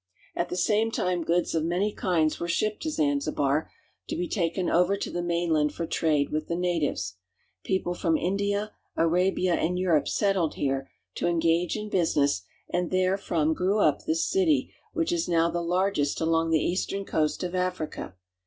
At the same time goods of many kinds were shipped to J Zanzibar, to be taken over to the mainland for trade with 1 the natives. People from India, Arabia, and Europe settled 1 here to engage in business, and therefrom grew up this I 262 AFRICA city which is now the largest along the eastern coast of Africa.